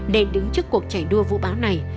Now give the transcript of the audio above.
để đứng trước cuộc chảy đua vụ báo này